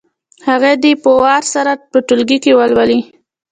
هغه دې په وار سره په ټولګي کې ولولي.